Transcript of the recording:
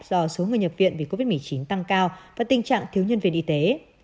do số người nhập viện vì covid một mươi chín tăng cao và tình trạng thiếu nhân viên y tế